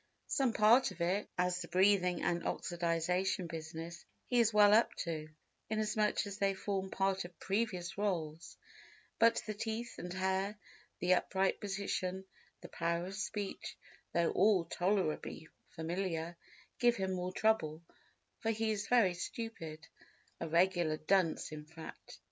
Some part of it, as the breathing and oxidisation business, he is well up to, inasmuch as they form part of previous roles, but the teeth and hair, the upright position, the power of speech, though all tolerably familiar, give him more trouble—for he is very stupid—a regular dunce in fact.